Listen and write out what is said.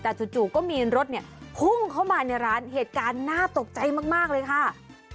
แต่จู่ก็มีรถเนี่ยพุ่งเข้ามาในร้านเหตุการณ์น่าตกใจมากเลยค่ะ